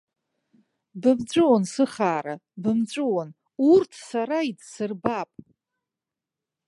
Бымҵәуан, сыхаара, бымҵәуан, урҭ сара идсырбап!